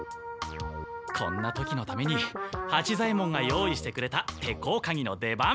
こんな時のために八左ヱ門が用意してくれた手甲鉤の出番。